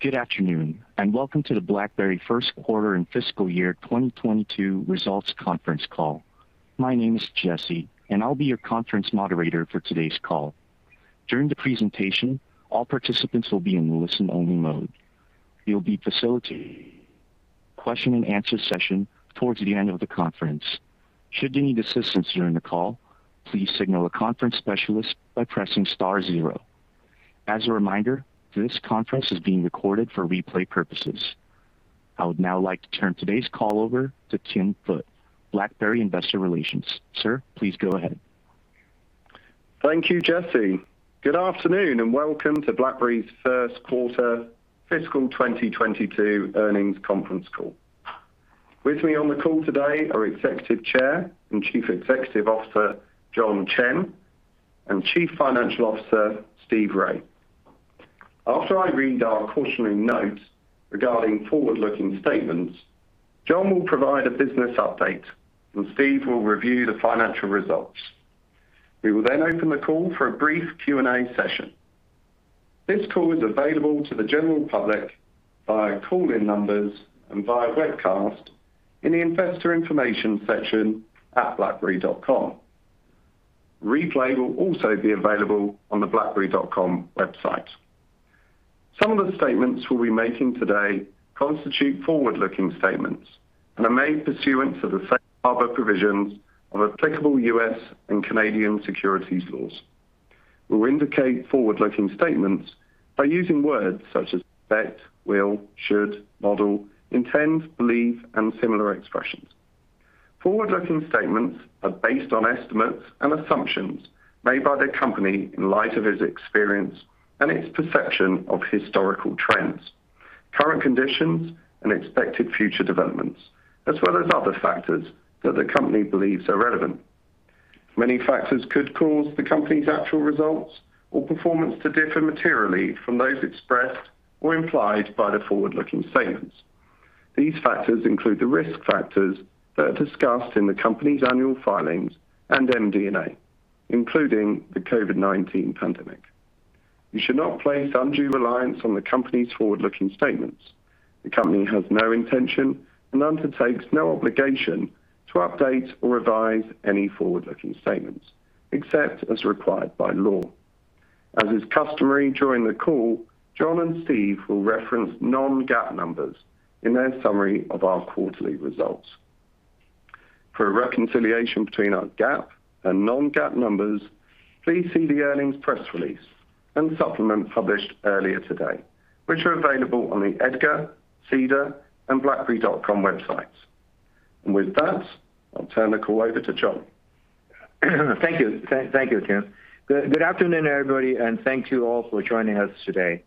Good afternoon. Welcome to the BlackBerry first quarter and fiscal year 2022 results conference call. My name is Jesse, and I'll be your conference moderator for today's call. During the presentation, all participants will be in listen-only mode. There'll be a question and answer session towards the end of the conference. Should you need assistance during the call, please signal a conference specialist by pressing star zero. As a reminder, this conference is being recorded for replay purposes. I would now like to turn today's call over to Tim Foote, BlackBerry Investor Relations. Sir, please go ahead. Thank you, Jesse. Good afternoon, and welcome to BlackBerry's first quarter fiscal 2022 earnings conference call. With me on the call today are Executive Chair and Chief Executive Officer, John Chen, and Chief Financial Officer, Steve Rai. After I read our cautionary note regarding forward-looking statements, John will provide a business update, and Steve will review the financial results. We will open the call for a brief Q&A session. This call is available to the general public via call-in numbers and via webcast in the investor information section at blackberry.com. Replay will also be available on the blackberry.com website. Some of the statements we'll be making today constitute forward-looking statements and are made pursuant to the safe harbor provisions of applicable U.S. and Canadian securities laws. We'll indicate forward-looking statements by using words such as that, will, should, model, intend, believe, and similar expressions. Forward-looking statements are based on estimates and assumptions made by the company in light of its experience and its perception of historical trends, current conditions, and expected future developments, as well as other factors that the company believes are relevant. Many factors could cause the company's actual results or performance to differ materially from those expressed or implied by the forward-looking statements. These factors include the risk factors that are discussed in the company's annual filings and MD&A, including the COVID-19 pandemic. You should not place undue reliance on the company's forward-looking statements. The company has no intention and undertakes no obligation to update or revise any forward-looking statements, except as required by law. As is customary during the call, John and Steve will reference non-GAAP numbers in their summary of our quarterly results. For a reconciliation between our GAAP and non-GAAP numbers, please see the earnings press release and supplement published earlier today, which are available on the EDGAR, SEDAR, and blackberry.com websites. With that, I'll turn the call over to John. Thank you, Tim. Good afternoon, everybody, and thank you all for joining us today.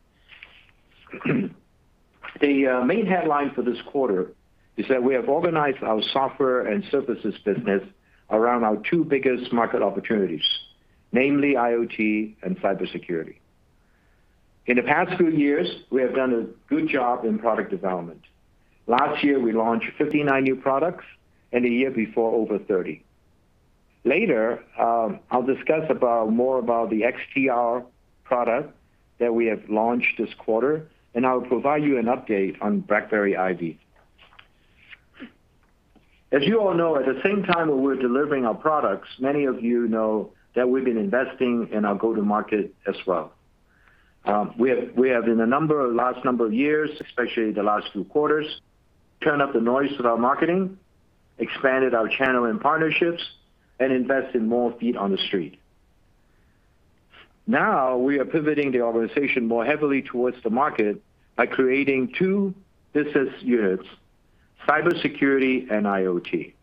The main headline for this quarter is that we have organized our software and services business around our two biggest market opportunities, namely, IoT and cybersecurity. In the past few years, we have done a good job in product development. Last year, we launched 59 new products, and the year before, over 30. Later, I'll discuss more about the XDR product that we have launched this quarter, and I'll provide you an update on BlackBerry IVY. As you all know, at the same time that we're delivering our products, many of you know that we've been investing in our go-to-market as well. We have in the last number of years, especially the last few quarters, turned up the noise of our marketing, expanded our channel and partnerships, and invested more feet on the street. We are pivoting the organization more heavily towards the market by creating two business units, cybersecurity and IoT.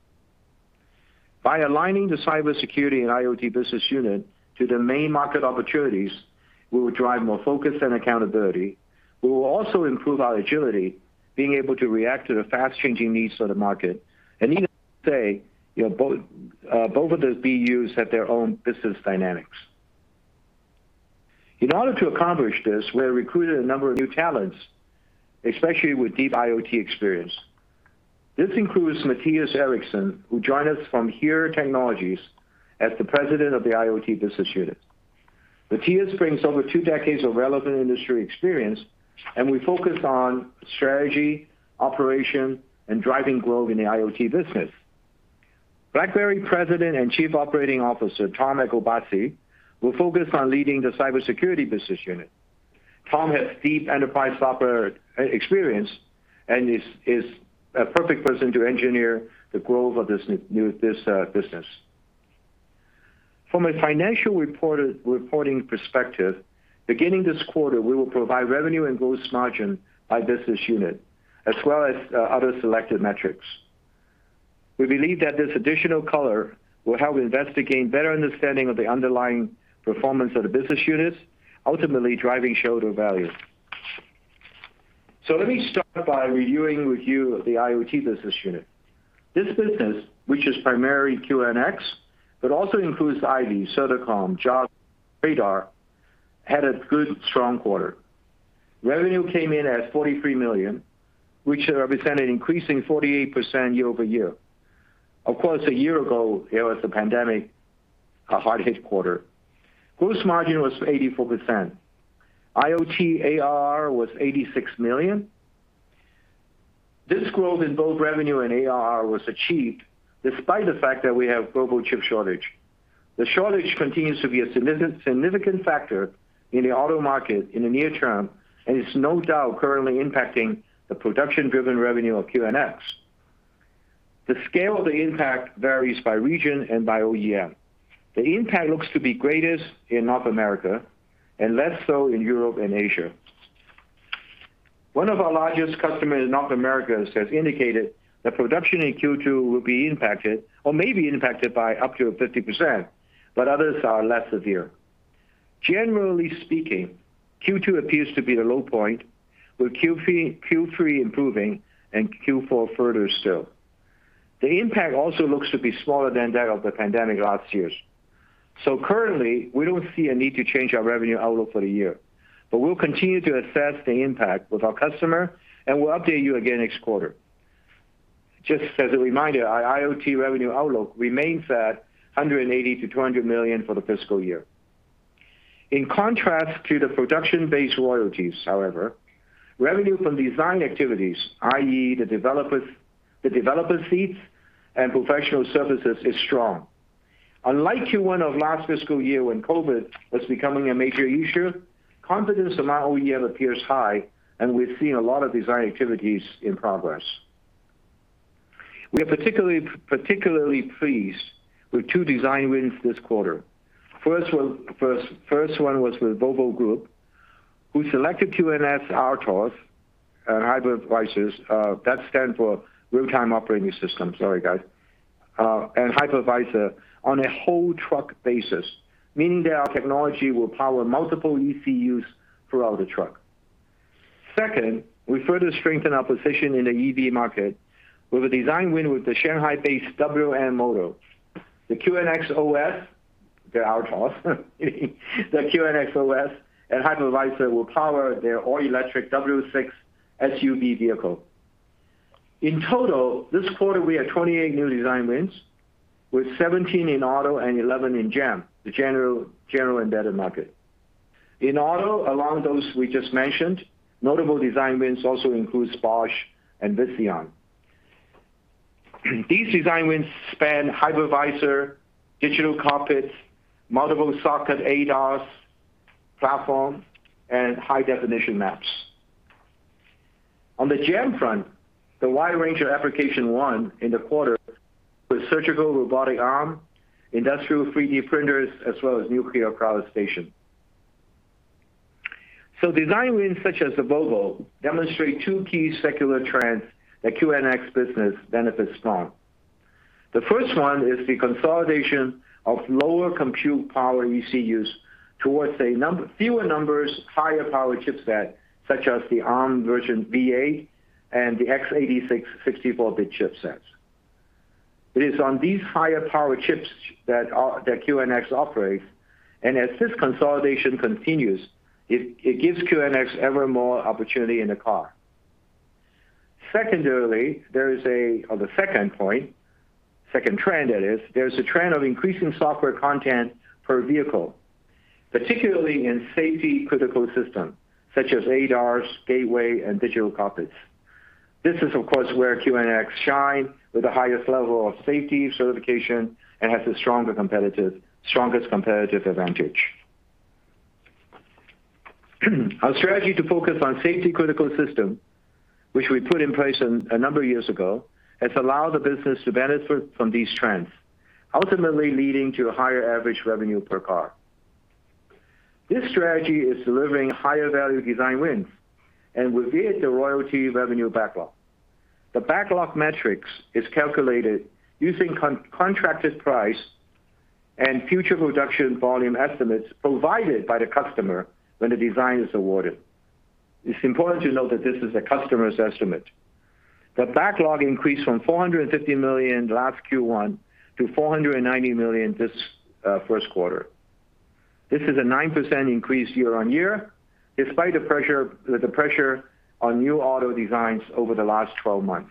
By aligning the cybersecurity and IoT Business Unit to the main market opportunities, we will drive more focus and accountability. We will also improve our agility, being able to react to the fast-changing needs of the market. Needless to say, both of the BUs have their own business dynamics. In order to accomplish this, we have recruited a number of new talents, especially with deep IoT experience. This includes Mattias Eriksson, who joined us from HERE Technologies as the President of the IoT Business Unit. Mattias brings over two decades of relevant industry experience, and will focus on strategy, operation, and driving growth in the IoT business. BlackBerry President and Chief Operating Officer, Tom Eacobacci, will focus on leading the cybersecurity business unit. Tom Eacobacci has deep enterprise software experience and is a perfect person to engineer the growth of this new business. From a financial reporting perspective, beginning this quarter, we will provide revenue and gross margin by business unit, as well as other selected metrics. We believe that this additional color will help investors better understanding of the underlying performance of the business units, ultimately driving shareholder value. Let me start by reviewing with you the IoT business unit. This business, which is primarily QNX, but also includes Certicom, Secusmart, [Java], Radar, had a good, strong quarter. Revenue came in at $43 million, which represented an increase of 48% year-over-year. Of course, a year ago, there was the pandemic, a hard-hit quarter. Gross margin was 84%. IoT ARR was $86 million. This growth in both revenue and ARR was achieved despite the fact that we have global chip shortage. The shortage continues to be a significant factor in the auto market in the near term, and it's no doubt currently impacting the production-driven revenue of QNX. The scale of the impact varies by region and by OEM. The impact looks to be greatest in North America and less so in Europe and Asia. One of our largest customers in North America has indicated that production in Q2 will be impacted or may be impacted by up to 50%, but others are less severe. Generally speaking, Q2 appears to be the low point, with Q3 improving and Q4 further still. The impact also looks to be smaller than that of the pandemic last year. Currently, we don't see a need to change our revenue outlook for the year. We'll continue to assess the impact with our customer, and we'll update you again next quarter. Just as a reminder, our IoT revenue outlook remains at $180 million-$200 million for the fiscal year. In contrast to the production-based royalties, however, revenue from design activities, i.e., the developer seats and professional services, is strong. Unlike Q1 of last fiscal year, when COVID was becoming a major issue, confidence among OEM appears high, and we've seen a lot of design activities in progress. We are particularly pleased with two design wins this quarter. First one was with Volvo Group, who selected QNX RTOS and Hypervisors. That stand for real-time operating system, sorry, guys, and Hypervisor on a whole truck basis, meaning that our technology will power multiple ECUs throughout the truck. Second, we further strengthen our position in the EV market with a design win with the Shanghai-based WM Motor. The QNX OS, the RTOS, the QNX OS and Hypervisor will power their all-electric W6 SUV vehicle. In total, this quarter we had 28 new design wins, with 17 in auto and 11 in GEM, the general embedded market. In auto, along those we just mentioned, notable design wins also include Bosch and Visteon. These design wins span Hypervisor, digital cockpits, multiple socket ADAS platform, and high-definition maps. On the GEM front, the wide range of application won in the quarter was surgical robotic arm, industrial 3D printers, as well as nuclear power station. Design wins such as the Volvo demonstrate two key secular trends that QNX business benefits from. The first one is the consolidation of lower compute power ECUs towards a fewer numbers, higher power chipset, such as the Arm version V8 and the X86 64-bit chipsets. It is on these higher power chips that QNX operates. As this consolidation continues, it gives QNX ever more opportunity in the car. Second trend, there is a trend of increasing software content per vehicle, particularly in safety-critical systems such as ADAS, gateway, and digital cockpits. This is, of course, where QNX shine with the highest level of safety certification and has the strongest competitive advantage. Our strategy to focus on safety-critical system, which we put in place a number of years ago, has allowed the business to benefit from these trends, ultimately leading to higher average revenue per car. This strategy is delivering higher value design wins and with it, a royalty revenue backlog. The backlog metrics is calculated using contracted price and future production volume estimates provided by the customer when the design is awarded. It's important to note that this is a customer's estimate. The backlog increased from $450 million last Q1 to $490 million this first quarter. This is a 9% increase year-over-year, despite the pressure on new auto designs over the last 12 months.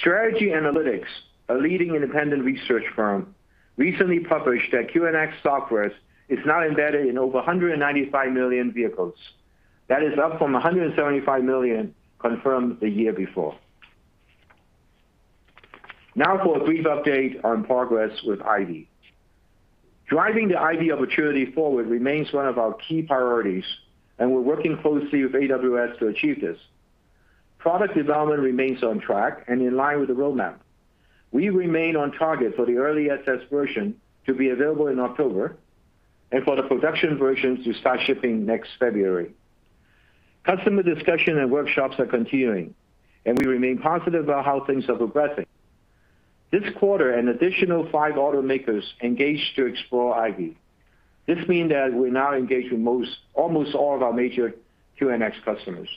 Strategy Analytics, a leading independent research firm, recently published that QNX software is now embedded in over 195 million vehicles. That is up from 175 million confirmed the year before. For a brief update on progress with IVY. Driving the IVY opportunity forward remains one of our key priorities, and we're working closely with AWS to achieve this. Product development remains on track and in line with the roadmap. We remain on target for the early access version to be available in October, and for the production versions to start shipping next February. Customer discussion and workshops are continuing, and we remain positive about how things are progressing. This quarter, an additional five automakers engaged to explore IVY. This mean that we're now engaged with almost all of our major QNX customers.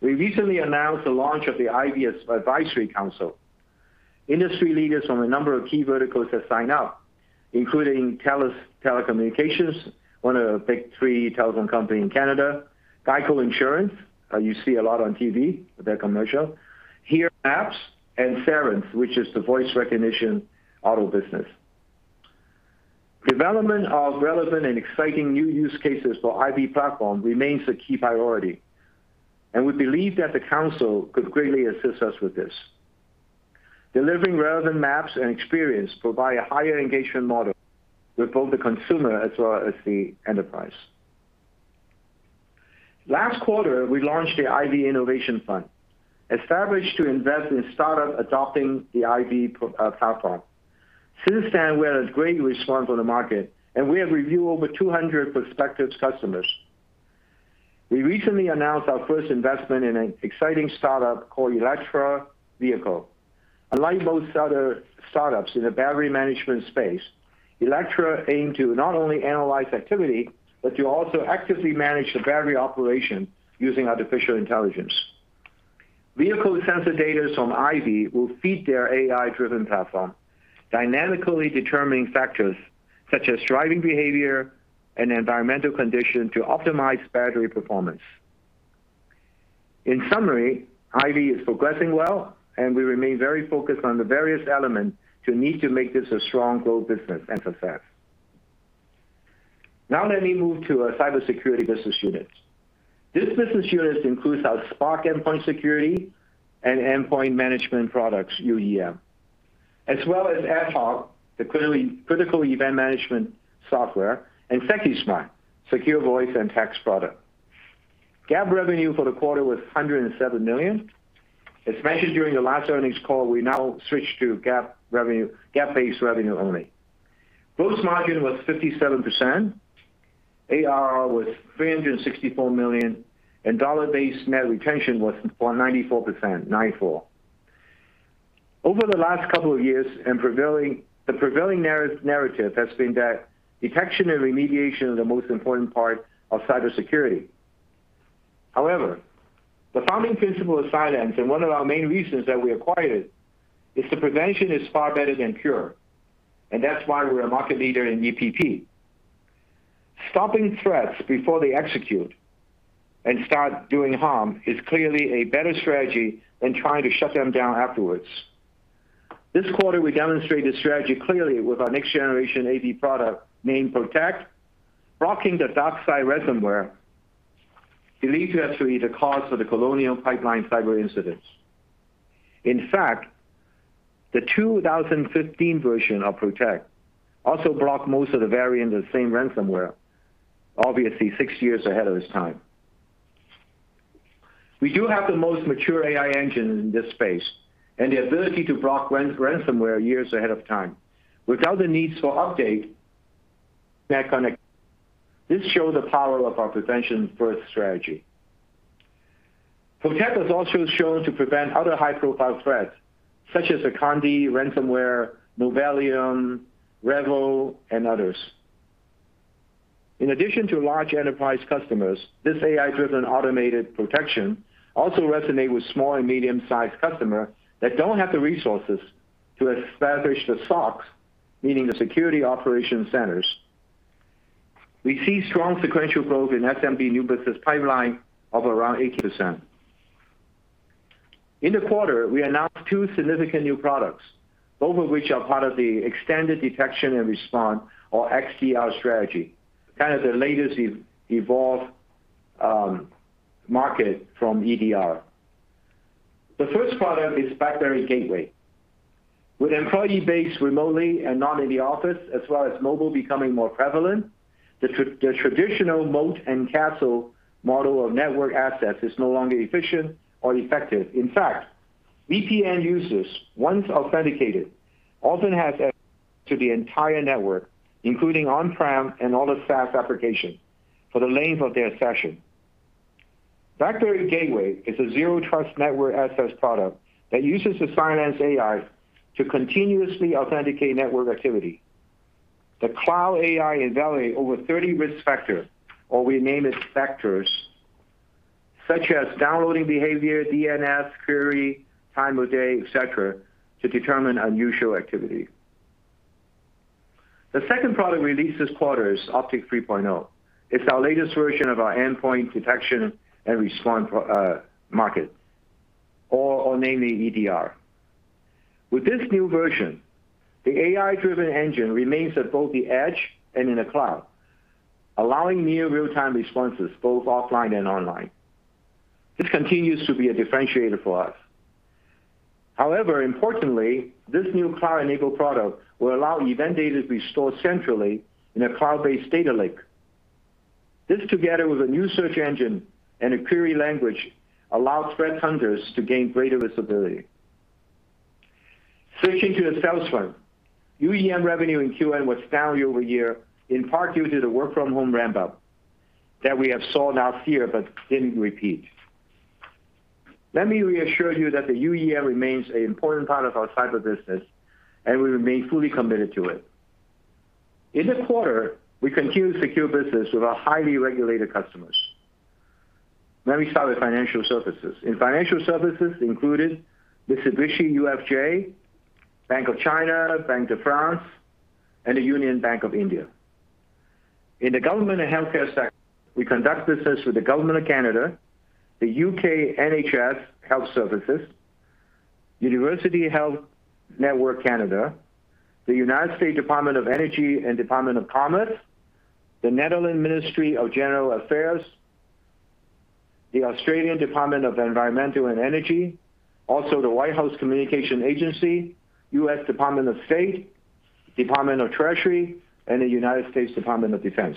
We recently announced the launch of the IVY Advisory Council. Industry leaders from a number of key verticals have signed up, including TELUS, one of the big three telecom company in Canada, GEICO, you see a lot on TV, their commercial, HERE, and Cerence, which is the voice recognition auto business. Development of relevant and exciting new use cases for IVY platform remains a key priority, and we believe that the Council could greatly assist us with this. Delivering relevant maps and experience provide a higher engagement model with both the consumer as well as the enterprise. Last quarter, we launched the IVY Innovation Fund, established to invest in startup adopting the IVY platform. Since then, we had great response on the market, and we have reviewed over 200 prospective customers. We recently announced our first investment in an exciting startup called Electra Vehicles. Unlike most other startups in the battery management space, Electra aim to not only analyze activity, but to also actively manage the battery operation using artificial intelligence. Vehicle sensor datas from IVY will feed their AI-driven platform, dynamically determining factors such as driving behavior and environmental conditions to optimize battery performance. In summary, IVY is progressing well, and we remain very focused on the various elements to need to make this a strong growth business end to end. Now let me move to our cybersecurity business unit. This business unit includes our SPARK endpoint security and endpoint management products, UEM. As well as AtHoc, the critical event management software, and Secusmart, secure voice and text product. GAAP revenue for the quarter was $107 million. As mentioned during the last earnings call, we now switch to GAAP-based revenue only. Gross margin was 57%, ARR was $364 million, and dollar-based net retention was 94%. Over the last couple of years, the prevailing narrative has been that detection and remediation are the most important part of cybersecurity. However, the founding principle of Cylance and one of our main reasons that we acquired it, is that prevention is far better than cure, and that's why we're a market leader in EPP. Stopping threats before they execute and start doing harm is clearly a better strategy than trying to shut them down afterwards. This quarter, we demonstrated the strategy clearly with our next generation AV product named CylancePROTECT, blocking the DarkSide ransomware, believed to be the cause of the Colonial Pipeline cyber incident. The 2015 version of CylancePROTECT also blocked most of the variant of the same ransomware, obviously 6 years ahead of its time. We do have the most mature AI engine in this space, and the ability to block ransomware years ahead of time without the need for update. This show the power of our prevention first strategy. CylancePROTECT has also shown to prevent other high-profile threats, such as Conti ransomware, Nefilim, REvil, and others. In addition to large enterprise customers, this AI-driven automated protection also resonate with small and medium-sized customer that don't have the resources to establish the SOCs, meaning the security operation centers. We see strong sequential growth in SMB new business pipeline of around 80%. In the quarter, we announced two significant new products, both of which are part of the extended detection and response or XDR strategy, kind of the latest evolved market from EDR. The first product is BlackBerry Gateway. With employee base remotely and not in the office, as well as mobile becoming more prevalent, the traditional moat-and-castle model of network access is no longer efficient or effective. In fact, VPN users, once authenticated, often have access to the entire network, including on-prem and all the SaaS application for the length of their session. BlackBerry Gateway is a zero trust network access product that uses the Cylance AI to continuously authenticate network activity. The cloud AI evaluate over 30 risk factor, or we name it factors, such as downloading behavior, DNS query, time of day, et cetera, to determine unusual activity. The second product released this quarter is CylanceOPTICS 3.0. It's our latest version of our endpoint detection and response market, or namely EDR. With this new version, the AI-driven engine remains at both the edge and in the cloud, allowing near real-time responses both offline and online. This continues to be a differentiator for us. Importantly, this new cloud-enabled product will allow event data to be stored centrally in a cloud-based data lake. This, together with a new search engine and a query language, allows threat hunters to gain greater visibility. Switching to the sales front. UEM revenue in Q1 was down year-over-year, in part due to the work from home ramp-up that we have saw last year but didn't repeat. Let me reassure you that the UEM remains an important part of our cyber business, and we remain fully committed to it. In this quarter, we continued secure business with our highly regulated customers. Let me start with financial services. In financial services included Mitsubishi UFJ, Bank of China, Banque de France, and the Union Bank of India. In the government and healthcare sector, we conduct business with the government of Canada, the UK NHS Health Services, University Health Network Canada, the United States Department of Energy and Department of Commerce, the Netherlands Ministry of General Affairs, the Australian Department of the Environment and Energy, also the White House Communications Agency, U.S. Department of State, Department of the Treasury, and the United States Department of Defense.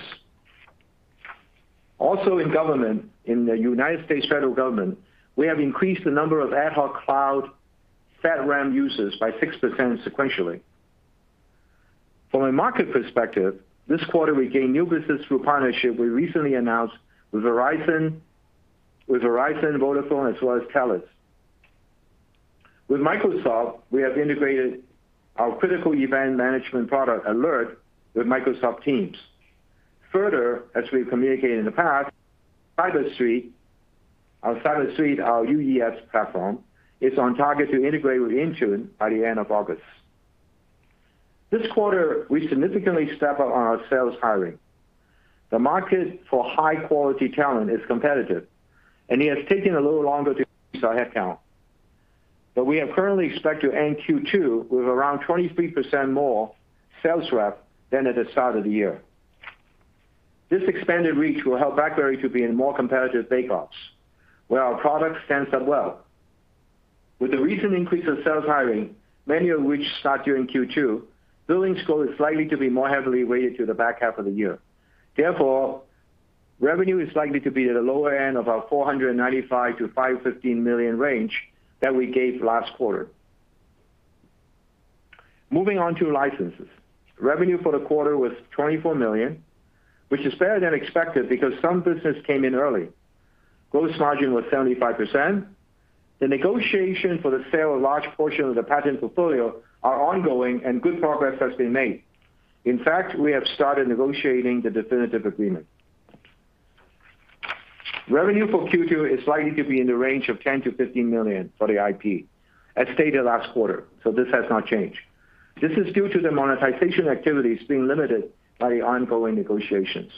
Also in government, in the United States federal government, we have increased the number of AtHoc cloud FedRAMP users by 6% sequentially. From a market perspective, this quarter we gained new business through a partnership we recently announced with Verizon, Vodafone, as well as TELUS. With Microsoft, we have integrated our critical event management product, Alert, with Microsoft Teams. As we've communicated in the past, CyberSuite, our UES platform, is on target to integrate with Intune by the end of August. This quarter, we significantly step up on our sales hiring. The market for high-quality talent is competitive, and it has taken a little longer to increase our headcount. We are currently expect to end Q2 with around 23% more sales rep than at the start of the year. This expanded reach will help BlackBerry to be in more competitive bake-offs, where our products stand up well. With the recent increase in sales hiring, many of which start during Q2, billings growth is likely to be more heavily weighted to the back half of the year. Revenue is likely to be at the lower end of our $495 million-$515 million range that we gave last quarter. Moving on to licensing. Revenue for the quarter was $24 million, which is better than expected because some business came in early. Gross margin was 75%. The negotiation for the sale of large portion of the patent portfolio are ongoing and good progress has been made. We have started negotiating the definitive agreement. Revenue for Q2 is likely to be in the range of $10 million-$15 million for the IP, as stated last quarter. This has not changed. This is due to the monetization activities being limited by the ongoing negotiations.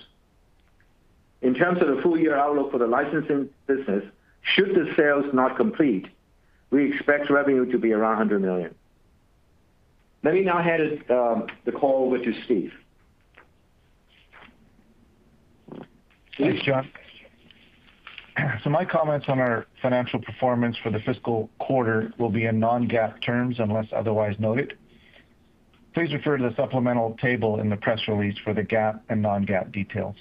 In terms of the full-year outlook for the licensing business, should the sales not complete, we expect revenue to be around $100 million. Let me now hand the call over to Steve. Thanks, John. My comments on our financial performance for the fiscal quarter will be in non-GAAP terms, unless otherwise noted. Please refer to the supplemental table in the press release for the GAAP and non-GAAP details.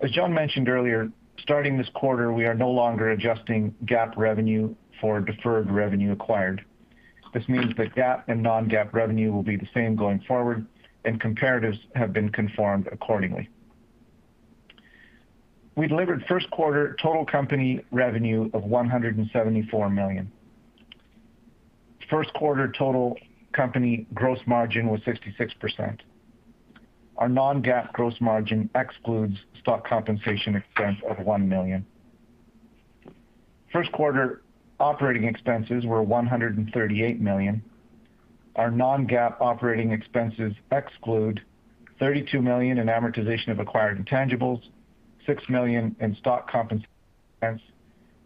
As John mentioned earlier, starting this quarter, we are no longer adjusting GAAP revenue for deferred revenue acquired. This means that GAAP and non-GAAP revenue will be the same going forward, and comparatives have been conformed accordingly. We delivered first quarter total company revenue of $174 million. First quarter total company gross margin was 66%. Our non-GAAP gross margin excludes stock compensation expense of $1 million. First quarter operating expenses were $138 million. Our non-GAAP operating expenses exclude $32 million in amortization of acquired intangibles, $6 million in stock compensation expense,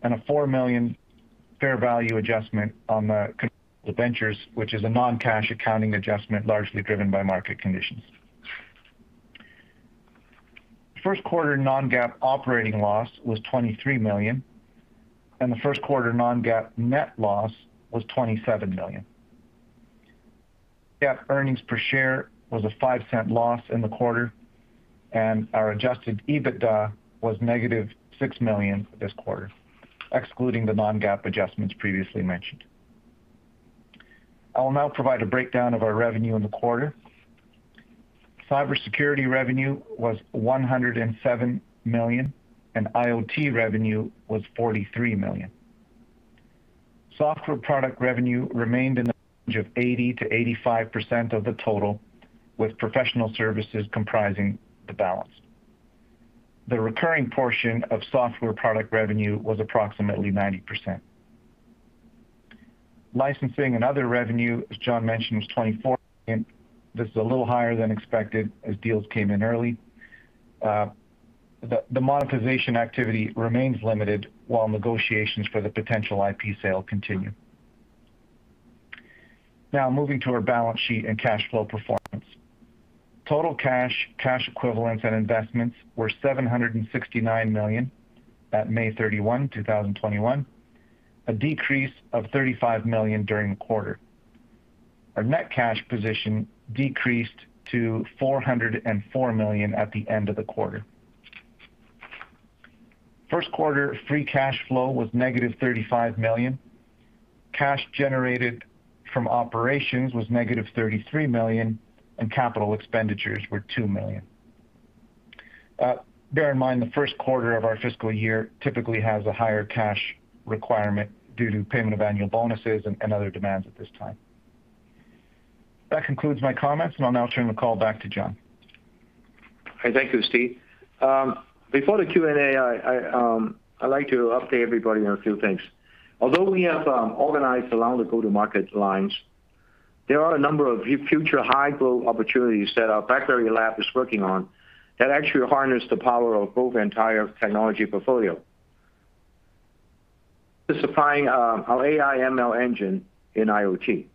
and a $4 million fair value adjustment on the controlled ventures, which is a non-cash accounting adjustment largely driven by market conditions. First quarter non-GAAP operating loss was $23 million, and the first quarter non-GAAP net loss was $27 million. GAAP earnings per share was a $0.05 loss in the quarter, and our adjusted EBITDA was negative $6 million for this quarter, excluding the non-GAAP adjustments previously mentioned. I will now provide a breakdown of our revenue in the quarter. Cybersecurity revenue was $107 million, and IoT revenue was $43 million. Software product revenue remained in the range of 80%-85% of the total, with professional services comprising the balance. The recurring portion of software product revenue was approximately 90%. Licensing and other revenue, as John mentioned, was $24 million. This is a little higher than expected as deals came in early. The monetization activity remains limited while negotiations for the potential IP sale continue. Moving to our balance sheet and cash flow performance. Total cash equivalents, and investments were $769 million at May 31, 2021, a decrease of $35 million during the quarter. Our net cash position decreased to $404 million at the end of the quarter. First quarter free cash flow was negative $35 million. Cash generated from operations was negative $33 million, and capital expenditures were $2 million. Bear in mind, the first quarter of our fiscal year typically has a higher cash requirement due to payment of annual bonuses and other demands at this time. That concludes my comments, and I'll now turn the call back to John. Thank you, Steve. Before the Q&A, I'd like to update everybody on a few things. Although we have organized along the go-to-market lines, there are a number of future high-growth opportunities that our BlackBerry lab is working on that actually harness the power of both entire technology portfolio. Supplying our AI ML engine in IoT.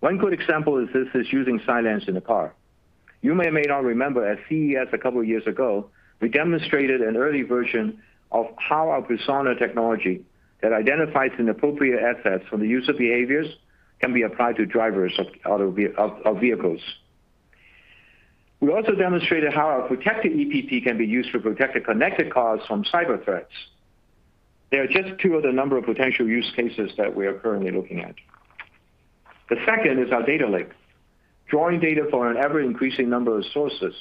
One good example is this is using Cylance in the car. You may or may not remember at CES two years ago, we demonstrated an early version of how our Persona technology that identifies inappropriate assets from the user behaviors can be applied to drivers of vehicles. We also demonstrated how our CylancePROTECT EPP can be used to protect the connected cars from cyber threats. They are just two of the number of potential use cases that we are currently looking at. The second is our data lake. Drawing data from an ever-increasing number of sources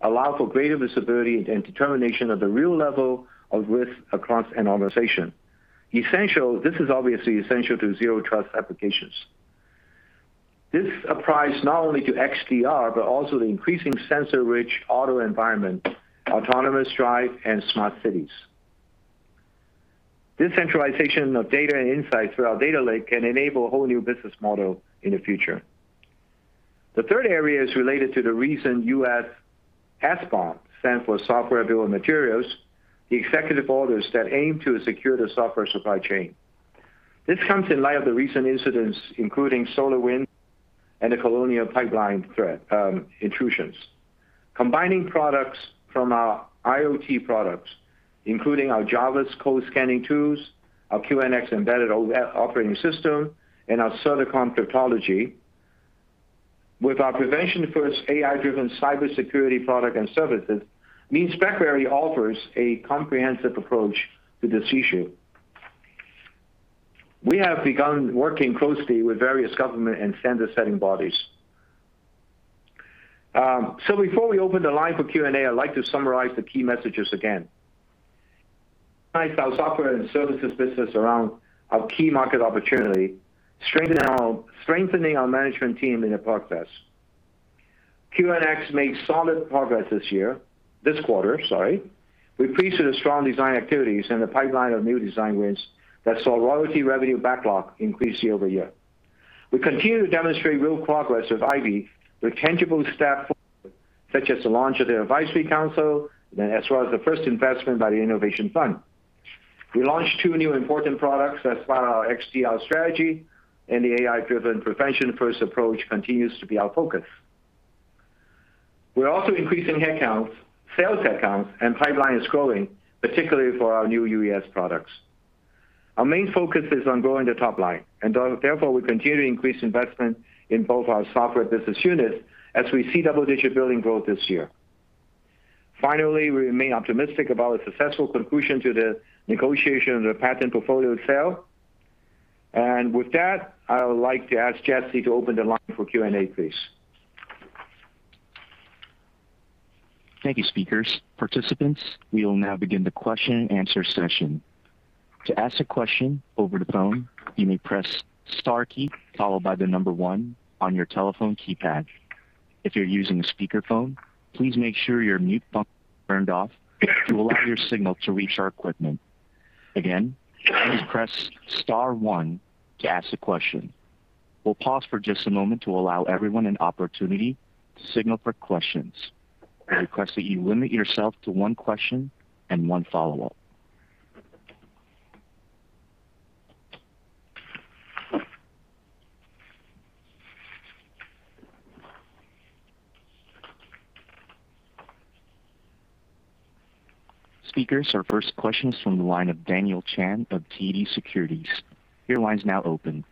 allow for greater visibility and determination of the real level of risk across an organization. This is obviously essential to zero trust applications. This applies not only to XDR, but also the increasing sensor-rich auto environment, autonomous drive, and smart cities. This centralization of data and insights through our data lake can enable a whole new business model in the future. The third area is related to the recent U.S. SBOM, stands for Software Bill of Materials, the executive orders that aim to secure the software supply chain. This comes in light of the recent incidents, including SolarWinds and the Colonial Pipeline threat, intrusions. Combining products from our IoT products, including our Java code scanning tools, our QNX embedded operating system, and our Certicom cryptology. With our prevention-first AI-driven cybersecurity product and services, means BlackBerry offers a comprehensive approach to this issue. We have begun working closely with various government and standard-setting bodies. Before we open the line for Q&A, I'd like to summarize the key messages again. Software and services business around our key market opportunity, strengthening our management team and the progress. QNX made solid progress this quarter. We increased the strong design activities and the pipeline of new design wins that saw royalty revenue backlog increase year-over-year. We continue to demonstrate real progress with IVY through tangible steps, such as the launch of the IVY Advisory Council, as well as the first investment by the IVY Innovation Fund. We launched two new important products as part of our XDR strategy, and the AI-driven prevention-first approach continues to be our focus. We're also increasing headcounts, sales headcounts, and pipeline is growing, particularly for our new UES products. Our main focus is on growing the top line, and therefore we continue to increase investment in both our software business units as we see double-digit building growth this year. Finally, we remain optimistic about a successful conclusion to the negotiation of the patent portfolio sale. With that, I would like to ask Jesse to open the line for Q&A, please. Thank you, speakers. Participants, we will now begin the question and answer session. To ask a question over the phone, you may press star followed by one on your telephone keypad. If you're using a speakerphone, please make sure your mute button is turned off to allow your signal to reach our equipment. Again, please press star one to ask a question. We'll pause for just a moment to allow everyone an opportunity to signal for questions. I request that you limit yourself to one question and one follow-up. Speakers, our first question is from the line of Daniel Chan of TD Securities. Your line's now open.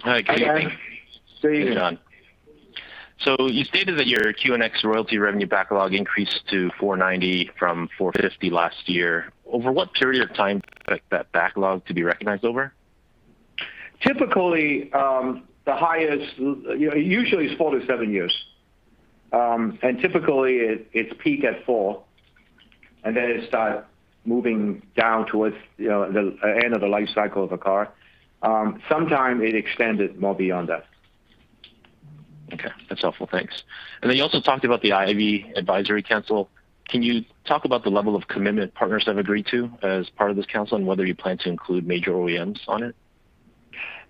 Hi. Hey, Dan. You stated that your QNX royalty revenue backlog increased to $490 from $450 last year. Over what period of time is that backlog to be recognized over? Typically, it usually is four to seven years. Typically, it peak at four, and then it start moving down towards the end of the life cycle of a car. Sometimes it extended more beyond that. Okay. That's helpful. Thanks. You also talked about the IVY Advisory Council. Can you talk about the level of commitment partners have agreed to as part of this council, and whether you plan to include major OEMs on it?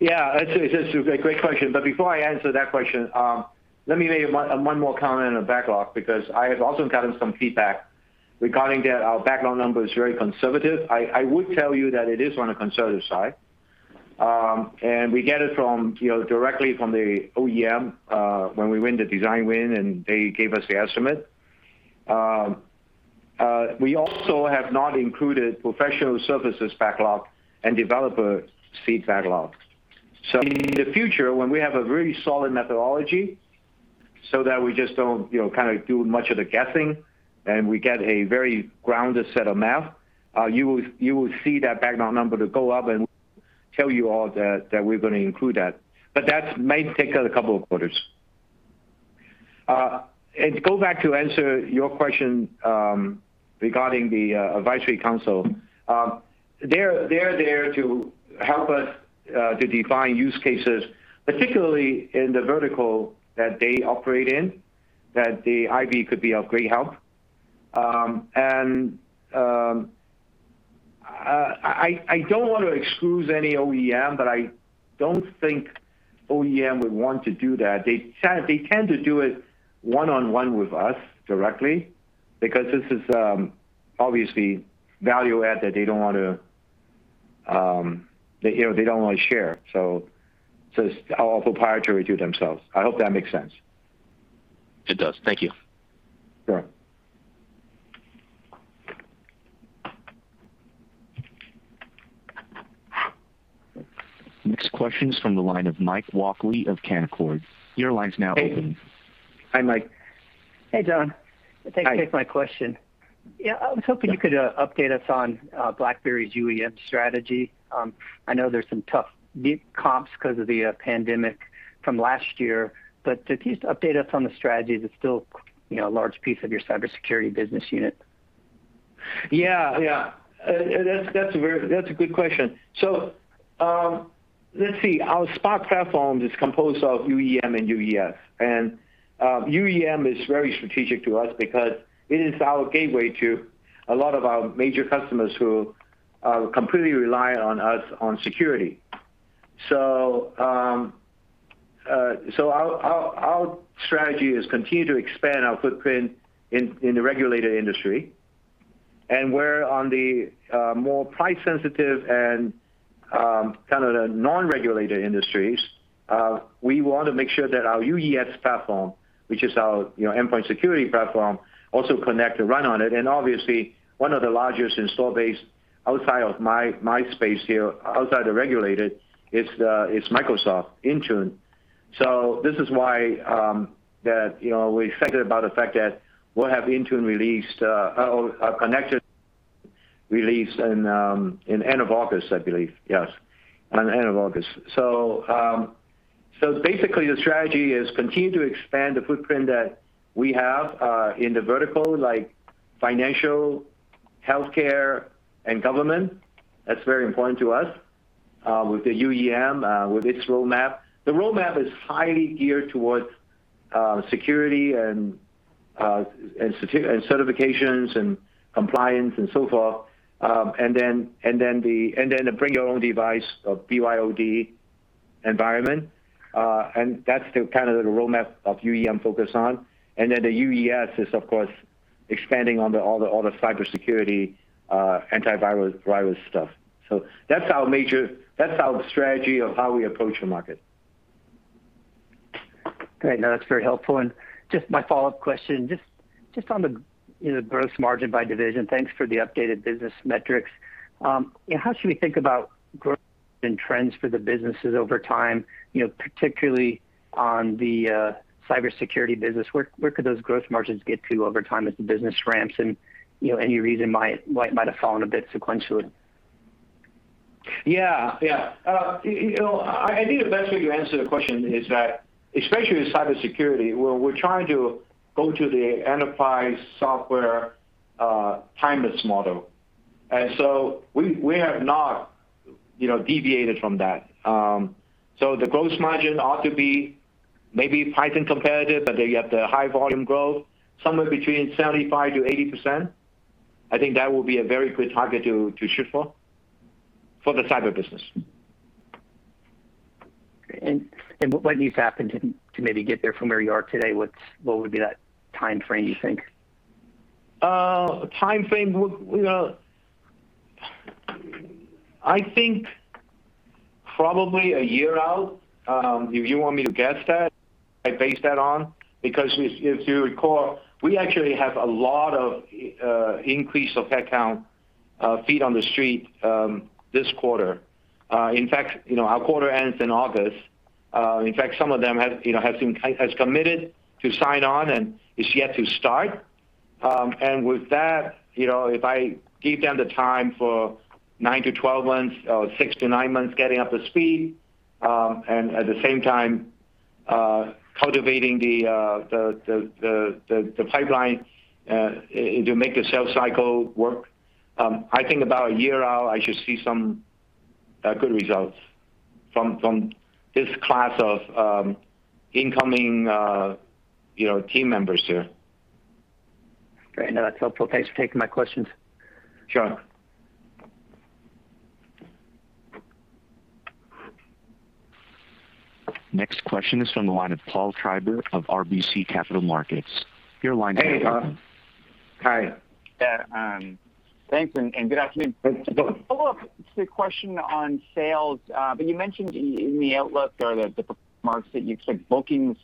Yeah. It's a great question. Before I answer that question, let me make one more comment on the backlog, because I have also gotten some feedback regarding our backlog number is very conservative. I would tell you that it is on a conservative side. We get it directly from the OEM, when we win the design win and they gave us the estimate. We also have not included professional services backlog and developer seat backlog. In the future, when we have a very solid methodology so that we just don't do much of the guessing and we get a very grounded set of math, you would see that backlog number go up and we'll tell you all that we're going to include that. That may take a couple of quarters. To go back to answer your question regarding the Advisory Council. They're there to help us to define use cases, particularly in the vertical that they operate in, that the IVY could be of great help. I don't want to exclude any OEM, but I don't think OEM would want to do that. They tend to do it one-on-one with us directly, because this is obviously value-add that they don't want to share. It's all proprietary to themselves. I hope that makes sense. It does. Thank you. Sure. Next question is from the line of Mike Walkley of Canaccord. Your line's now open. Hey, Mike. Hey, John. Hi. Thanks for taking my question. Yeah, I was hoping you could update us on BlackBerry's UEM strategy. I know there's some tough comps because of the pandemic from last year. Could you update us on the strategy that's still a large piece of your cybersecurity business unit? Yeah. That's a good question. Let's see. Our Spark platform is composed of UEM and UES. UEM is very strategic to us because it is our gateway to a lot of our major customers who completely rely on us on security. Our strategy is continue to expand our footprint in the regulated industry. Where on the more price sensitive and kind of the non-regulated industries, we want to make sure that our UES platform, which is our endpoint security platform, also connect and run on it. Obviously, one of the largest install base outside of my space here, outside the regulated, it's Microsoft Intune. This is why we're excited about the fact that we'll have Intune released or connected, released in end of August, I believe. Yes. On end of August. Basically, the strategy is continue to expand the footprint that we have in the vertical, like financial, healthcare, and government. That's very important to us with the UEM, with its roadmap. The roadmap is highly geared towards security and certifications and compliance and so forth. The bring your own device or BYOD environment. That's the kind of the roadmap of UEM focus on. The UES is of course, expanding on all the cybersecurity antiviral stuff. That's our strategy of how we approach the market. Great. No, that's very helpful. Just my follow-up question, just on the gross margin by division. Thanks for the updated business metrics. How should we think about growth and trends for the businesses over time, particularly on the cybersecurity business, where could those growth margins get to over time as the business ramps and any reason why it might have fallen a bit sequentially? I think the best way to answer the question is that, especially with cybersecurity, we're trying to go to the enterprise software timeless model. We have not deviated from that. The gross margin ought to be maybe price incomparable, but you have the high volume growth somewhere between 75%-80%. I think that will be a very good target to shoot for the cyber business. Great. What needs to happen to maybe get there from where you are today? What would be that timeframe you think? Timeframe, I think probably a year out. If you want me to guess that, I base that on, because if you recall, we actually have a lot of increase of headcount feet on the street this quarter. In fact, our quarter ends in August. In fact, some of them has committed to sign on and is yet to start. With that, if I give them the time for nine to twelve months or six to nine months getting up to speed, and at the same time, cultivating the pipeline to make the sales cycle work. I think about a year out, I should see some good results from this class of incoming team members here. Great. No, that's helpful. Thanks for taking my questions. Sure. Next question is from the line of Paul Treiber of RBC Capital Markets. Your line's open. Hey, Paul. Hi. Yeah. Thanks, and good afternoon. Good afternoon. A follow-up to the question on sales. You mentioned in the outlook or the remarks that you expect bookings,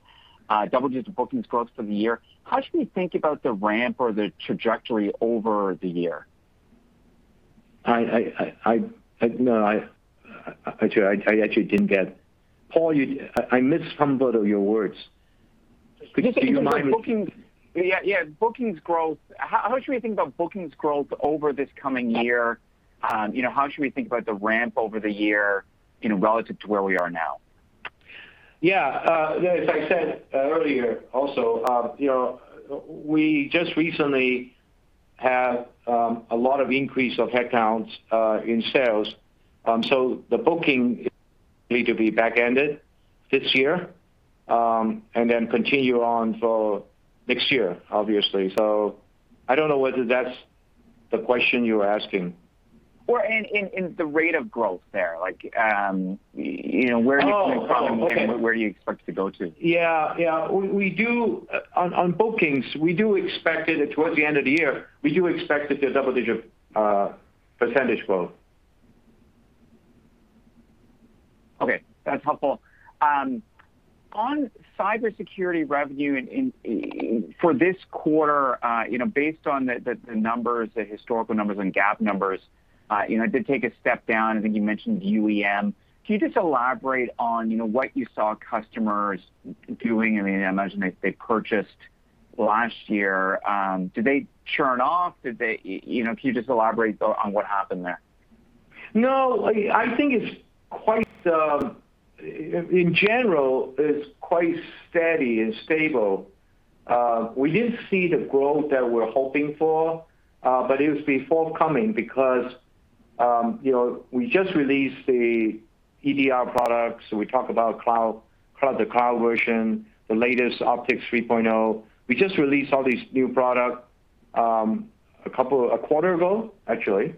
double-digit bookings growth for the year. How should we think about the ramp or the trajectory over the year? I actually didn't get. Paul, I missed some of your words. Could you remind me? Just thinking about bookings. Yeah, bookings growth. How should we think about bookings growth over this coming year? How should we think about the ramp over the year relative to where we are now? Yeah. As I said earlier also, we just recently had a lot of increase of headcounts in sales. The booking need to be back-ended this year, and then continue on for next year, obviously. I don't know whether that's the question you are asking. The rate of growth there. Oh, okay. Where are you coming from and where you expect to go to? Yeah. On bookings, towards the end of the year, we do expect it to double-digit percentage growth. Okay. That's helpful. On cybersecurity revenue for this quarter based on the historical numbers and GAAP numbers, it did take a step down. I think you mentioned UEM. Can you just elaborate on what you saw customers doing? I imagine they purchased last year. Did they churn off? Can you just elaborate though on what happened there? No. In general, it's quite steady and stable. We didn't see the growth that we're hoping for, but it was forthcoming because we just released the EDR products. We talk about the cloud version, the latest CylanceOPTICS 3.0. We just released all these new product a quarter ago, actually.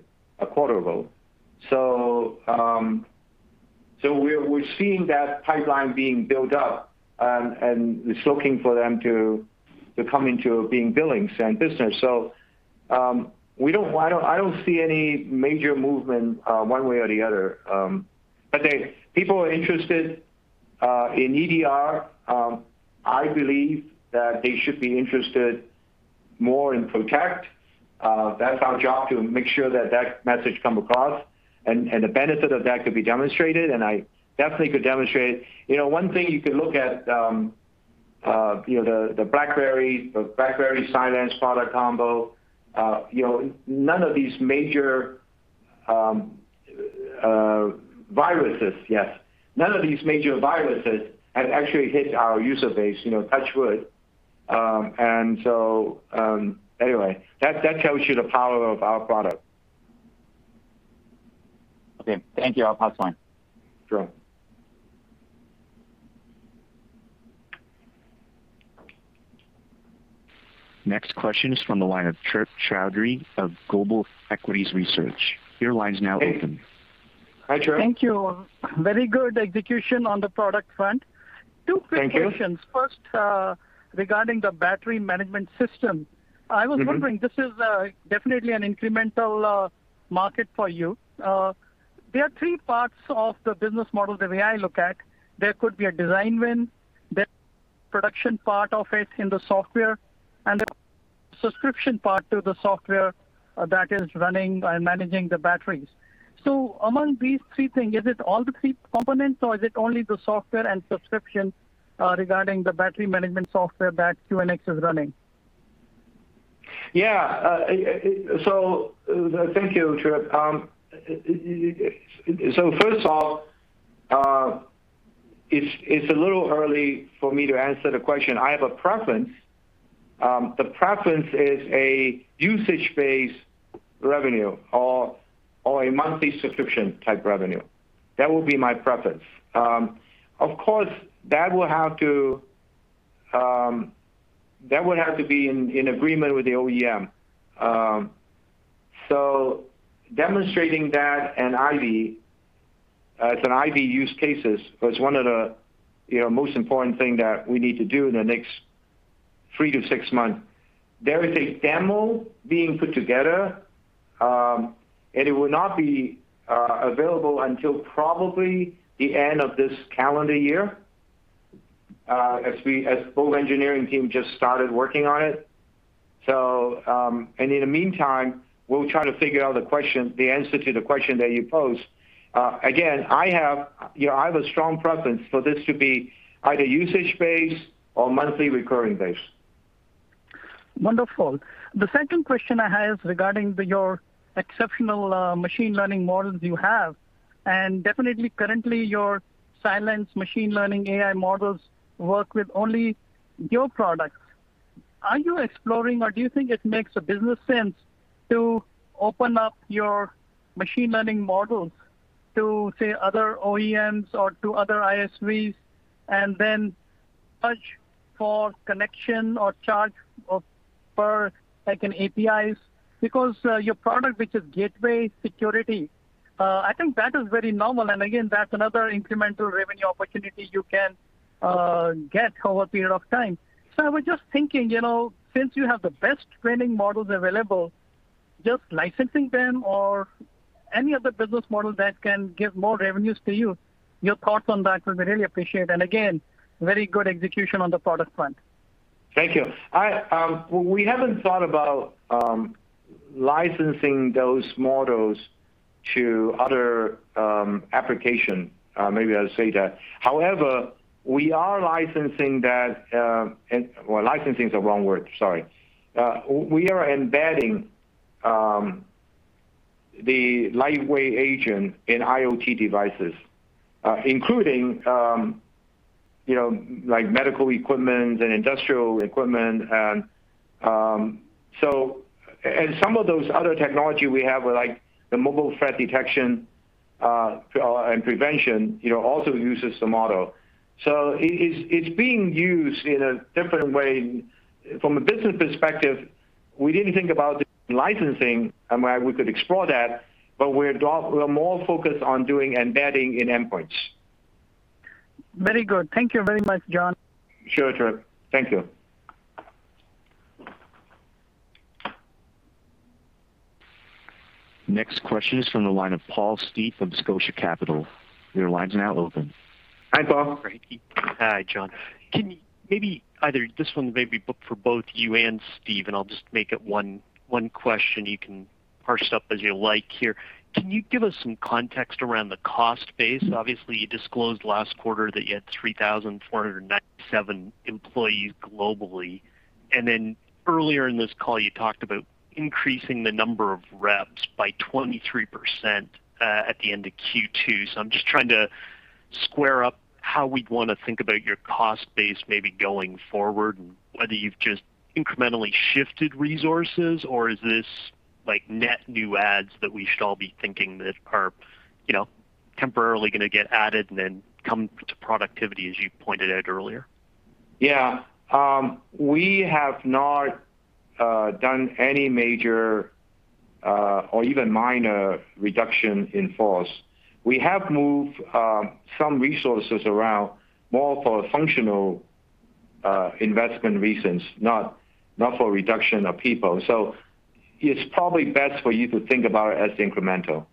We're seeing that pipeline being built up, and it's looking for them to come into being billings and business. I don't see any major movement one way or the other. People are interested in EDR. I believe that they should be interested more in protect. That's our job to make sure that that message come across and the benefit of that could be demonstrated, and I definitely could demonstrate. One thing you could look at, the BlackBerry Cylance product combo. None of these major viruses. Yes. None of these major viruses have actually hit our user base, touch wood. Anyway, that tells you the power of our product. Okay. Thank you. I'll pass the line. Sure. Next question is from the line of Trip Chowdhry of Global Equities Research. Your line is now open. Hi, Trip. Thank you. Very good execution on the product front. Thank you. Two quick questions. First, regarding the battery management system. I was wondering, this is definitely an incremental market for you. There are three parts of the business model the way I look at. There could be a design win, the production part of it in the software, and the subscription part to the software that is running and managing the batteries. Among these three things, is it all the three components, or is it only the software and subscription regarding the battery management software that QNX is running? Thank you, Trip. First of all, it's a little early for me to answer the question. I have a preference. The preference is a usage-based revenue or a monthly subscription type revenue. That would be my preference. Of course, that would have to be in agreement with the OEM. Demonstrating that and IVY as an IVY use cases was one of the most important thing that we need to do in the next three to six months. There is a demo being put together, it will not be available until probably the end of this calendar year, as full engineering team just started working on it. In the meantime, we'll try to figure out the answer to the question that you posed. Again, I have a strong preference for this to be either usage-based or monthly recurring-based. Wonderful. The second question I have regarding your exceptional machine learning models you have, definitely currently your Cylance machine learning AI models work with only your products. Are you exploring or do you think it makes a business sense to open up your machine learning models to, say, other OEMs or to other ISVs and then charge for connection or charge for like an APIs? Your product, which is gateway security, I think that is very normal, again that's another incremental revenue opportunity you can get over a period of time. I was just thinking, since you have the best training models available, just licensing them or any other business model that can give more revenues to you, your thoughts on that will be really appreciated. Again, very good execution on the product front. Thank you. We haven't thought about licensing those models to other application. Maybe I'll say that. We are licensing that Well, licensing is the wrong word. Sorry. We are embedding the lightweight agent in IoT devices, including medical equipment and industrial equipment. Some of those other technology we have, like the mobile threat detection and prevention, also uses the model. It's being used in a different way. From a business perspective, we didn't think about it in licensing, and we could explore that, but we're more focused on doing embedding in endpoints. Very good. Thank you very much, John. Sure, sure. Thank you. Next question is from the line of Paul Steep from Scotia Capital. Your lines are now open. Hi, Paul. Hi, John. Can you, maybe, either this one may be for both you and Steve, and I'll just make it one question. You can parse up as you like here. Can you give us some context around the cost base? Obviously, you disclosed last quarter that you had 3,497 employees globally, and then earlier in this call, you talked about increasing the number of reps by 23% at the end of Q2. I'm just trying to square up how we'd want to think about your cost base maybe going forward, and whether you've just incrementally shifted resources, or is this net new adds that we should all be thinking that are temporarily going to get added and then come to productivity as you pointed out earlier? Yeah. We have not done any major or even minor reduction in force. We have moved some resources around more for functional investment reasons, not for reduction of people. It's probably best for you to think about it as incremental.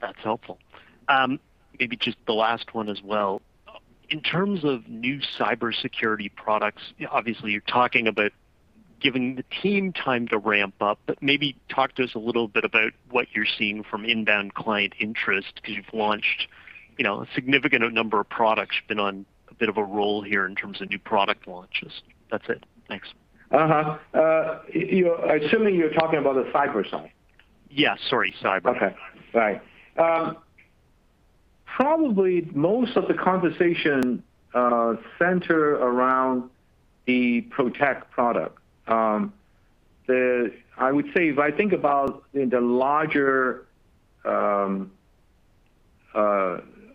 That's helpful. Maybe just the last one as well. In terms of new cybersecurity products, obviously you're talking about giving the team time to ramp up, maybe talk to us a little bit about what you're seeing from inbound client interest because you've launched a significant number of products. You've been on a bit of a roll here in terms of new product launches. That's it. Thanks. Assuming you're talking about the cyber side. Yeah, sorry. Cyber. Okay. Right. Probably most of the conversation center around the protect product. I would say if I think about the larger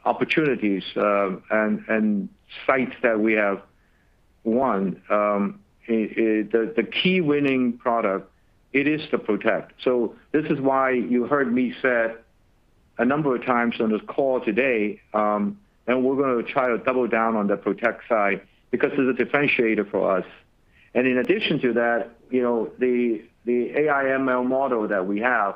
opportunities and sites that we have won, the key winning product, it is the protect. This is why you heard me said a number of times on this call today, we're going to try to double down on the protect side because it's a differentiator for us. In addition to that, the AI ML model that we have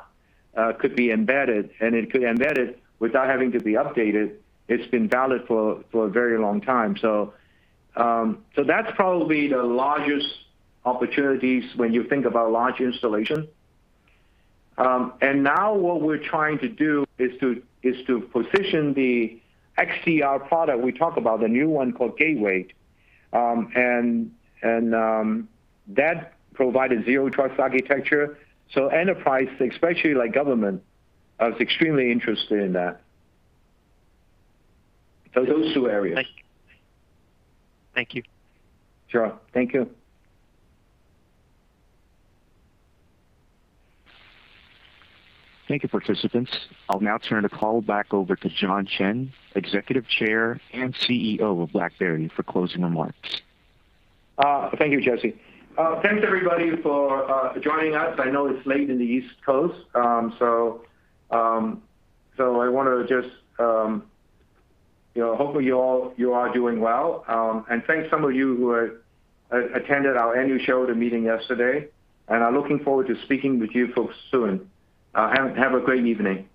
could be embedded, and it can embed it without having to be updated. It's been valid for a very long time. That's probably the largest opportunities when you think about large installation. Now what we're trying to do is to position actually our product we talk about, the new one called Gateway. That provided zero trust architecture. Enterprise, especially like government, are extremely interested in that. Those two areas. Thank you. Sure. Thank you. Thank you, participants. I'll now turn the call back over to John Chen, Executive Chair and CEO of BlackBerry, for closing remarks. Thank you, Jesse. Thanks everybody for joining us. I know it's late in the East Coast. I want to just hope you all are doing well. Thanks some of you who had attended our annual shareholder meeting yesterday, and I'm looking forward to speaking with you folks soon. Have a great evening.